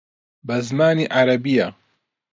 بە زمانی عەرەبییە